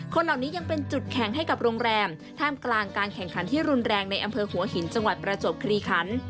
คนเหล่านี้ยังเป็นจุดแข่งให้กับโรงแรมท่ามกลางการแข่งขันที่รุนแรงในอำเภอหัวหินจังหวัดประจวบคลีคัน